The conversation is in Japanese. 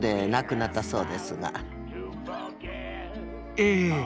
ええ。